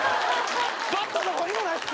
バットどこにもないっす。